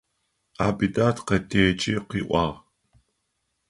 Абидат къэтэджи къыӏуагъ.